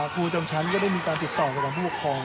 ครูจำฉันก็ได้มีการติดต่อกับพวกของ